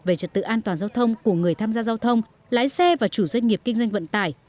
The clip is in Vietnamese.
về trật tự an toàn giao thông của người tham gia giao thông lái xe và chủ doanh nghiệp kinh doanh vận tải